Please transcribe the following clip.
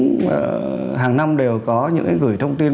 cũng hàng năm đều có những gửi thông tin